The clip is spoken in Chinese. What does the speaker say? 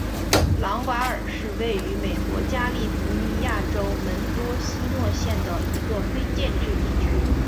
朗瓦尔是位于美国加利福尼亚州门多西诺县的一个非建制地区。